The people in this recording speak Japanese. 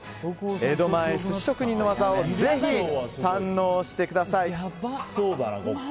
江戸前寿司職人の技をぜひ堪能してください。